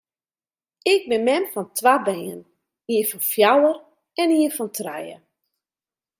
Ik bin mem fan twa bern, ien fan fjouwer en ien fan trije.